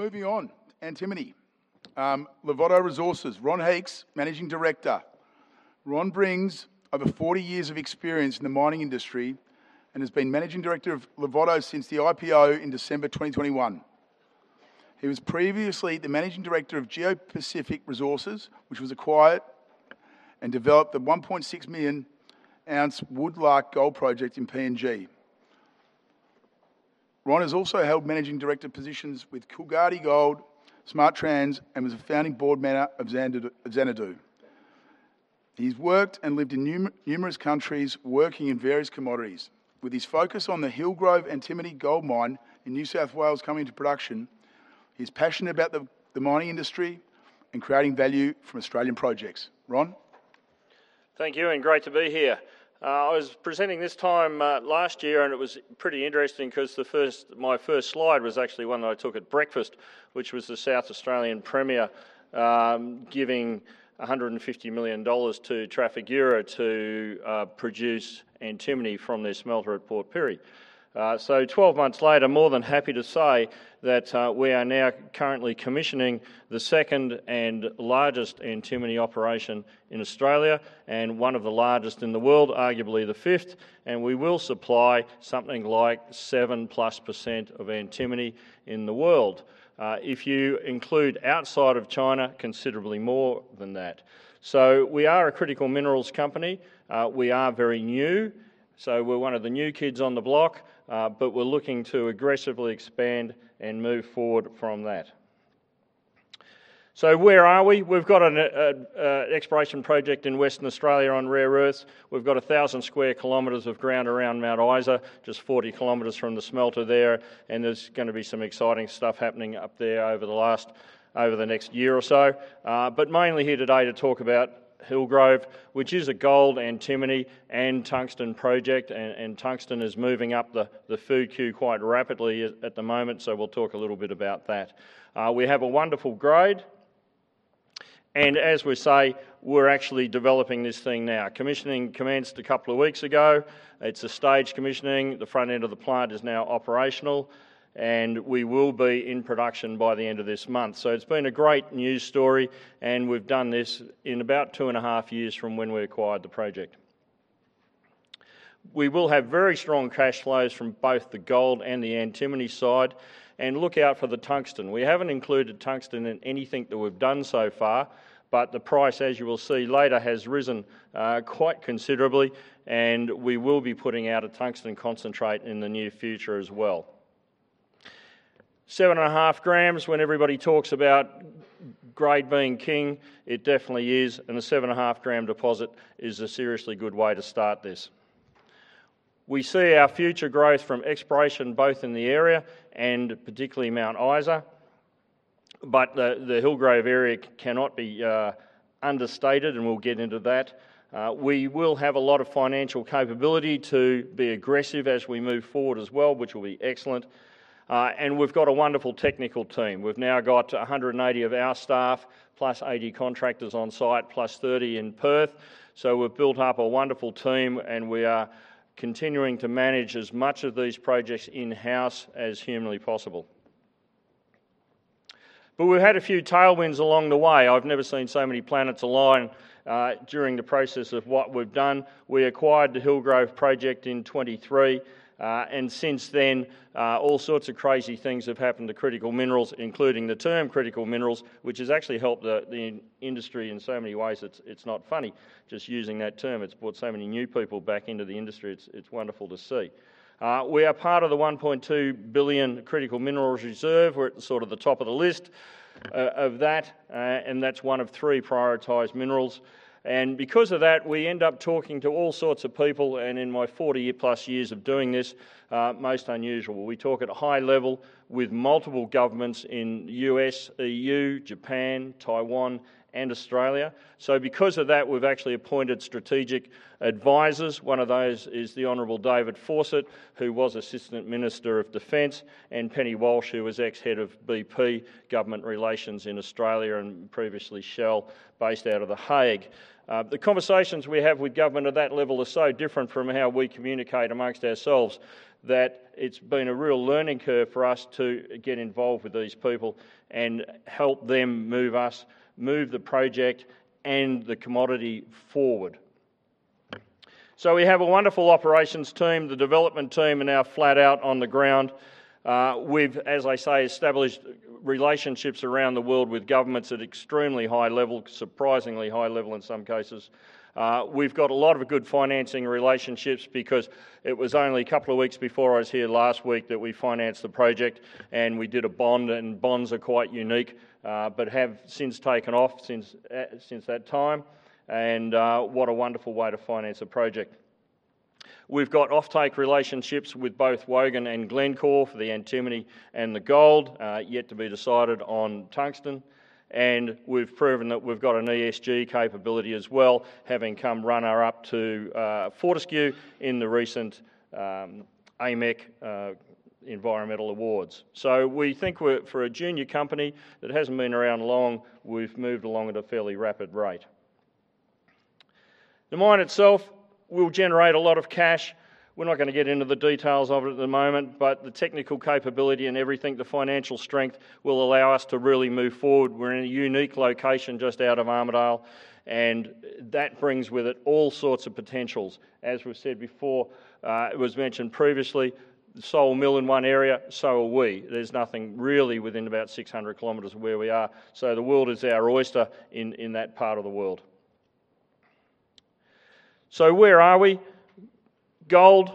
Moving on, antimony. Larvotto Resources, Ron Heeks, Managing Director. Ron brings over 40 years of experience in the mining industry and has been Managing Director of Larvotto since the IPO in December 2021. He was previously the Managing Director of Geopacific Resources, which was acquired and developed at 1.6-million-ounce Woodlark Gold project in PNG. Ron has also held Managing Director positions with Coolgardie Gold, SmartTrans, and was a founding board member of Xanadu. He's worked and lived in numerous countries, working in various commodities. With his focus on the Hillgrove antimony gold mine in New South Wales coming to production, he's passionate about the mining industry and creating value for Australian projects. Ron. Thank you. Great to be here. I was presenting this time last year. It was pretty interesting because my first slide was actually one that I took at breakfast, which was the South Australian premier giving 150 million dollars to Trafigura to produce antimony from their smelter at Port Pirie. 12 months later, more than happy to say that we are now currently commissioning the second and largest antimony operation in Australia and one of the largest in the world, arguably the fifth, and we will supply something like 7-plus% of antimony in the world. If you include outside of China, considerably more than that. We are a critical minerals company. We are very new, we're one of the new kids on the block. We're looking to aggressively expand and move forward from that. Where are we? We've got an exploration project in Western Australia on rare earths. We've got 1,000 sq km of ground around Mount Isa, just 40 km from the smelter there. There's going to be some exciting stuff happening up there over the next year or so. Mainly here today to talk about Hillgrove, which is a gold, antimony, and tungsten project. Tungsten is moving up the food queue quite rapidly at the moment. We'll talk a little bit about that. We have a wonderful grade. As we say, we're actually developing this thing now. Commissioning commenced a couple of weeks ago. It's a stage commissioning. The front end of the plant is now operational, and we will be in production by the end of this month. It's been a great news story. We've done this in about two and a half years from when we acquired the project. We will have very strong cash flows from both the gold and the antimony side. Look out for the tungsten. We haven't included tungsten in anything that we've done so far. The price, as you will see later, has risen quite considerably. We will be putting out a tungsten concentrate in the near future as well. Seven and a half grams, when everybody talks about grade being king, it definitely is. A seven-and-a-half-gram deposit is a seriously good way to start this. We see our future growth from exploration, both in the area and particularly Mount Isa. The Hillgrove area cannot be understated. We'll get into that. We will have a lot of financial capability to be aggressive as we move forward as well, which will be excellent. We've got a wonderful technical team. We've now got 180 of our staff plus 80 contractors on site, plus 30 in Perth. We are continuing to manage as much of these projects in-house as humanly possible. We've had a few tailwinds along the way. I've never seen so many planets align during the process of what we've done. We acquired the Hillgrove project in 2023. Since then, all sorts of crazy things have happened to critical minerals, including the term critical minerals, which has actually helped the industry in so many ways it's not funny. Just using that term, it's brought so many new people back into the industry. It's wonderful to see. We are part of the 1.2 billion Critical Minerals Reserve. We're at sort of the top of the list of that, and that's one of three prioritized minerals. Because of that, we end up talking to all sorts of people, and in my 40-plus years of doing this, most unusual. We talk at a high level with multiple governments in U.S., EU, Japan, Taiwan, and Australia. Because of that, we've actually appointed strategic advisors. One of those is the Honorable David Fawcett, who was Assistant Minister for Defence, and Penny Walsh, who was ex-head of BP Government Relations in Australia and previously Shell, based out of The Hague. The conversations we have with government at that level are so different from how we communicate amongst ourselves that it's been a real learning curve for us to get involved with these people and help them move us, move the project, and the commodity forward. We have a wonderful operations team. The development team are now flat out on the ground. We've, as I say, established relationships around the world with governments at extremely high level, surprisingly high level in some cases. We've got a lot of good financing relationships because it was only a couple of weeks before I was here last week that we financed the project, and we did a bond, and bonds are quite unique, but have since taken off since that time. What a wonderful way to finance a project. We've got offtake relationships with both Wogen and Glencore for the antimony and the gold, yet to be decided on tungsten. We've proven that we've got an ESG capability as well, having come runner-up to Fortescue in the recent AMEC environmental awards. We think for a junior company that hasn't been around long, we've moved along at a fairly rapid rate. The mine itself will generate a lot of cash. We're not going to get into the details of it at the moment, but the technical capability and everything, the financial strength, will allow us to really move forward. We're in a unique location just out of Armidale, and that brings with it all sorts of potentials. As we've said before, it was mentioned previously, sole mill in one area, so are we. There's nothing really within about 600 km of where we are. The world is our oyster in that part of the world. Where are we? Gold,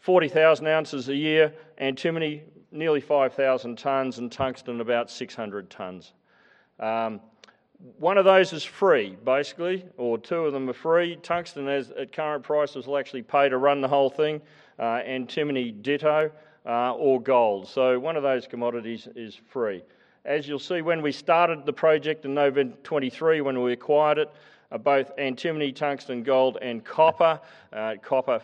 40,000 ounces a year, antimony, nearly 5,000 tons, and tungsten, about 600 tons. One of those is free, basically, or two of them are free. Tungsten, at current prices, will actually pay to run the whole thing. Antimony ditto, or gold. One of those commodities is free. As you'll see, when we started the project in November 2023, when we acquired it, both antimony, tungsten, gold and copper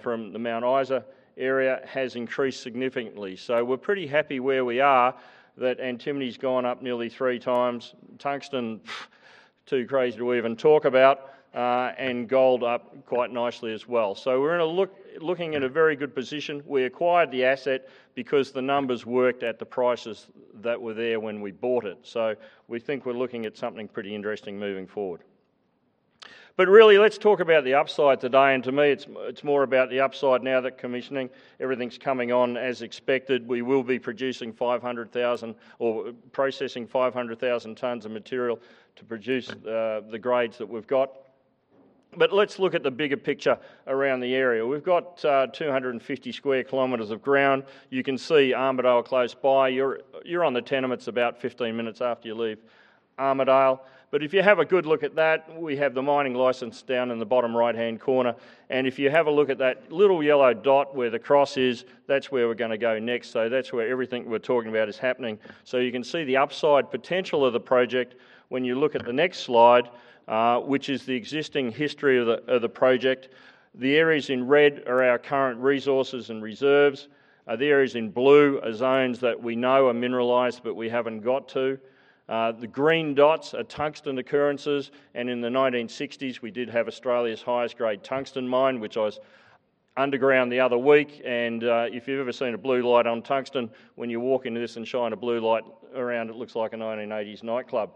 from the Mount Isa area, has increased significantly. We're pretty happy where we are, that antimony's gone up nearly three times. Tungsten, too crazy to even talk about, and gold up quite nicely as well. We're looking at a very good position. We acquired the asset because the numbers worked at the prices that were there when we bought it. We think we're looking at something pretty interesting moving forward. Really, let's talk about the upside today, and to me, it's more about the upside now that commissioning, everything's coming on as expected. We will be producing 500,000 or processing 500,000 tons of material to produce the grades that we've got. Let's look at the bigger picture around the area. We've got 250 sq km of ground. You can see Armidale close by. You're on the tenements about 15 minutes after you leave Armidale. If you have a good look at that, we have the mining license down in the bottom right-hand corner. If you have a look at that little yellow dot where the cross is, that's where we're going to go next. That's where everything we're talking about is happening. You can see the upside potential of the project when you look at the next slide, which is the existing history of the project. The areas in red are our current resources and reserves. The areas in blue are zones that we know are mineralized, but we haven't got to. The green dots are tungsten occurrences, and in the 1960s, we did have Australia's highest grade tungsten mine, which I was underground the other week, and if you've ever seen a blue light on tungsten, when you walk into this and shine a blue light around, it looks like a 1980s nightclub.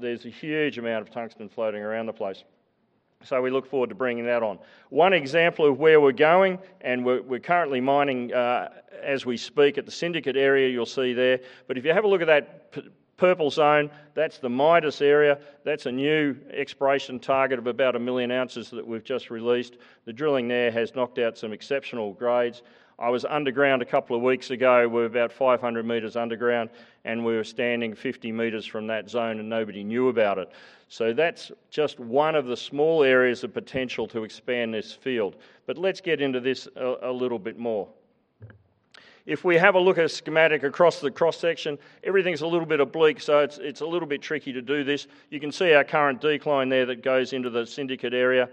There's a huge amount of tungsten floating around the place. We look forward to bringing that on. One example of where we're going, and we're currently mining as we speak at the Syndicate Area you'll see there. If you have a look at that purple zone, that's the Midas Area. That's a new exploration target of about 1 million ounces that we've just released. The drilling there has knocked out some exceptional grades. I was underground a couple of weeks ago. We're about 500 meters underground, and we were standing 50 meters from that zone and nobody knew about it. That's just one of the small areas of potential to expand this field. Let's get into this a little bit more. If we have a look at a schematic across the cross-section, everything's a little bit oblique, so it's a little bit tricky to do this. You can see our current decline there that goes into the Syndicate Area.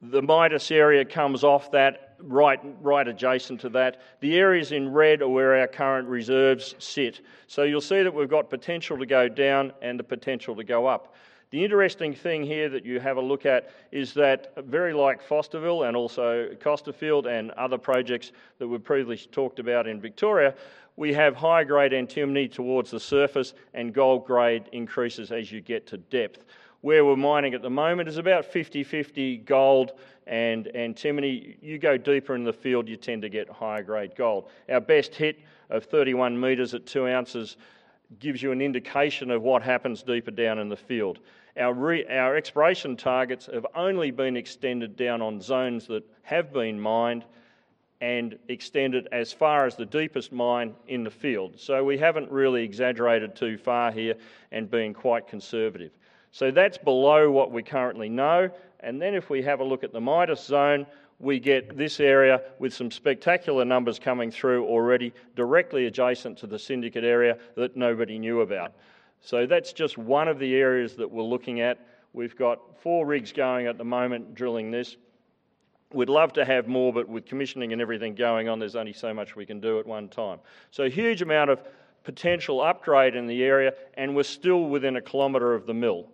The Midas Area comes off that, right adjacent to that. The areas in red are where our current reserves sit. So you'll see that we've got potential to go down and the potential to go up. The interesting thing here that you have a look at is that very like Costerfield and also Costerfield and other projects that we've previously talked about in Victoria, we have high-grade antimony towards the surface and gold grade increases as you get to depth. Where we're mining at the moment is about 50/50 gold and antimony. You go deeper in the field, you tend to get higher-grade gold. Our best hit of 31 meters at two ounces gives you an indication of what happens deeper down in the field. Our exploration targets have only been extended down on zones that have been mined and extended as far as the deepest mine in the field. We haven't really exaggerated too far here and been quite conservative. So that's below what we currently know, and then if we have a look at the Midas zone, we get this area with some spectacular numbers coming through already directly adjacent to the Syndicate Area that nobody knew about. So that's just one of the areas that we're looking at. We've got four rigs going at the moment drilling this. We'd love to have more, but with commissioning and everything going on, there's only so much we can do at one time. So a huge amount of potential upgrade in the area, and we're still within a kilometer of the mill,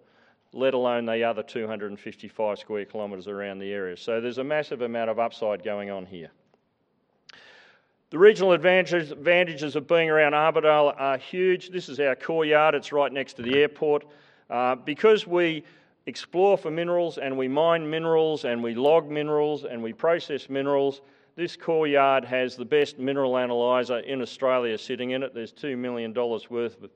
let alone the other 255 sq km around the area. So there's a massive amount of upside going on here. The regional advantages of being around Armidale are huge. This is our core yard. It's right next to the airport. Because we explore for minerals and we mine minerals and we log minerals and we process minerals, this core yard has the best mineral analyzer in Australia sitting in it. There's 2 million dollars worth of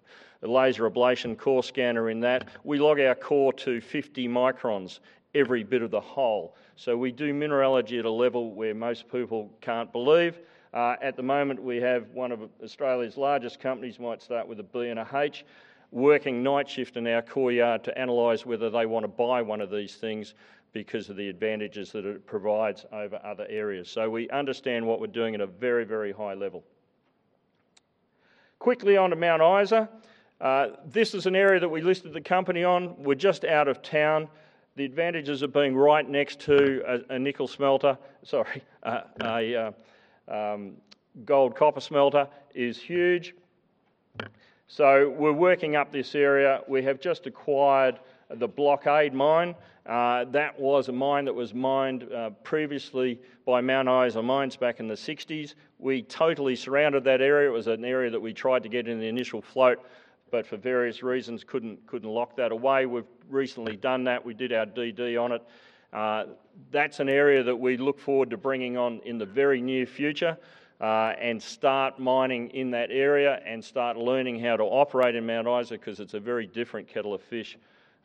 laser ablation core scanner in that. We log our core to 50 microns every bit of the hole. So we do mineralogy at a level where most people can't believe. At the moment, we have one of Australia's largest companies, might start with a B and a H, working night shift in our core yard to analyze whether they want to buy one of these things because of the advantages that it provides over other areas. So we understand what we're doing at a very, very high level. Quickly on to Mount Isa. This is an area that we listed the company on. We're just out of town. The advantages of being right next to a nickel smelter, sorry, a gold-copper smelter, is huge. So we're working up this area. We have just acquired the Blockade Mine. That was a mine that was mined previously by Mount Isa Mines back in the 1960s. We totally surrounded that area. It was an area that we tried to get in the initial float, but for various reasons couldn't lock that away. We've recently done that. We did our DD on it. That's an area that we look forward to bringing on in the very near future, and start mining in that area and start learning how to operate in Mount Isa because it's a very different kettle of fish.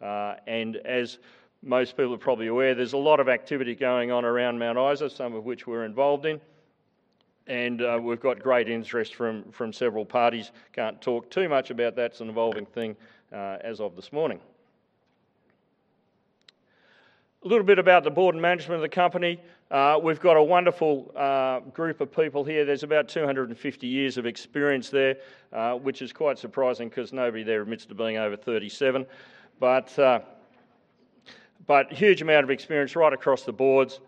As most people are probably aware, there's a lot of activity going on around Mount Isa, some of which we're involved in, and we've got great interest from several parties. Can't talk too much about that, it's an evolving thing as of this morning. A little bit about the board and management of the company. We've got a wonderful group of people here. There's about 250 years of experience there, which is quite surprising because nobody there admits to being over 37. Huge amount of experience right across the boards.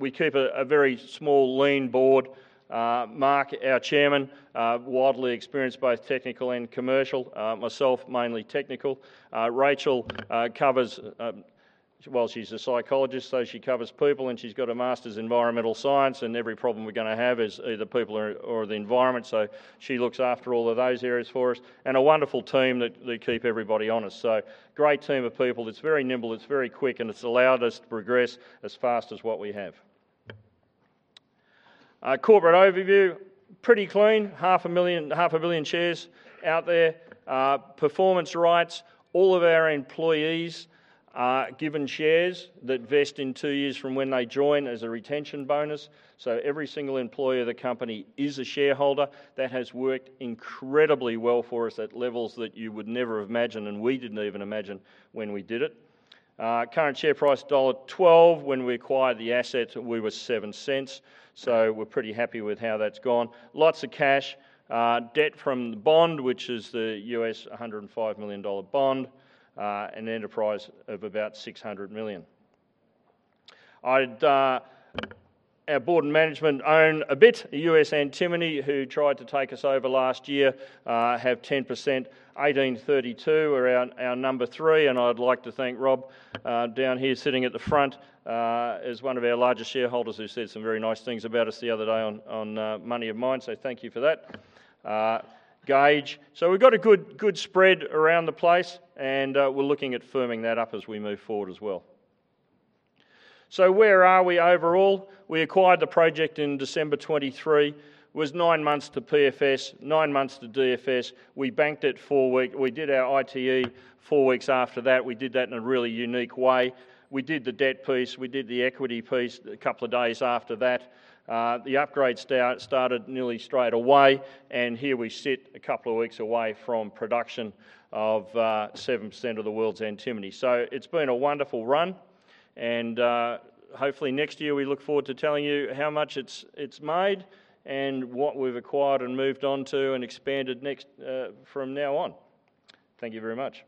We keep a very small, lean board. Mark, our chairman, widely experienced, both technical and commercial. Myself, mainly technical. Rachel covers. She's a psychologist, so she covers people, and she's got a master's in environmental science, and every problem we're going to have is either people or the environment. She looks after all of those areas for us. A wonderful team that keep everybody honest. Great team of people. It's very nimble, it's very quick, and it's allowed us to progress as fast as what we have. Corporate overview, pretty clean. Half a billion shares out there. Performance rights, all of our employees are given shares that vest in two years from when they join as a retention bonus. Every single employee of the company is a shareholder. That has worked incredibly well for us at levels that you would never have imagined, and we didn't even imagine when we did it. Current share price, dollar 1.12. When we acquired the asset, we were 0.07, so we're pretty happy with how that's gone. Lots of cash. Debt from the bond, which is the US $105 million bond. An enterprise of about 600 million. Our board and management own a bit. US Antimony, who tried to take us over last year, have 10%. 1832 are our number three, and I'd like to thank Rob down here sitting at the front, as one of our largest shareholders who said some very nice things about us the other day on "Money of Mine," thank you for that. Gage. We've got a good spread around the place, and we're looking at firming that up as we move forward as well. Where are we overall? We acquired the project in December 2023. Was nine months to PFS, nine months to DFS. We did our ITE four weeks after that. We did that in a really unique way. We did the debt piece, we did the equity piece a couple of days after that. The upgrades started nearly straight away, and here we sit a couple of weeks away from production of 7% of the world's antimony. It's been a wonderful run, and hopefully next year we look forward to telling you how much it's made and what we've acquired and moved on to and expanded from now on. Thank you very much.